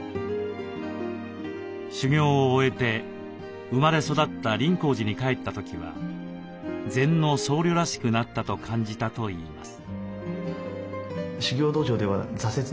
修行を終えて生まれ育った林香寺に帰った時は禅の僧侶らしくなったと感じたといいます。